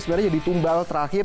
sebenarnya ditumbal terakhir